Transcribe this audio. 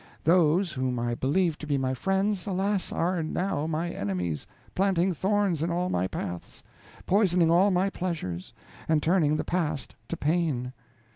Those whom I believed to be my friends, alas! are now my enemies, planting thorns in all my paths, poisoning all my pleasures, and turning the past to pain.